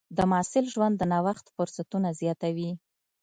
د محصل ژوند د نوښت فرصتونه زیاتوي.